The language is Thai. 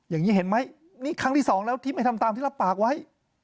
อย่างนี้เห็นไหมนี่ครั้งที่สองแล้วที่ไม่ทำตามที่รับปากไว้